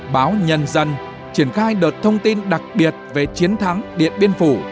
báo nhân dân triển khai đợt thông tin đặc biệt về chiến thắng điện biên phủ